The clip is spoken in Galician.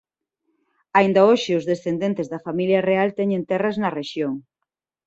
Aínda hoxe os descendentes da familia real teñen terras na rexión.